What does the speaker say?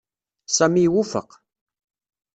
Sami iwufeq.